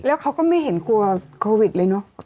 แล้วเขาก็ไม่เห็นกลัวโควิดเลยเนอะ